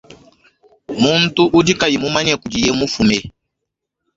Muntu udi kayi mumanye kudiye mufume.